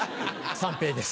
三平です。